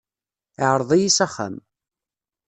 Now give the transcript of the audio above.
Iɛreḍ-iyi s axxam.